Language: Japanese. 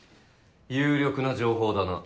有力な情報だな。